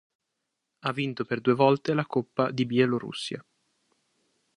Ha vinto per due volte la coppa di Bielorussia.